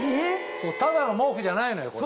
ただの毛布じゃないのよこれ。